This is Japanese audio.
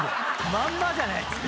まんまじゃないですか。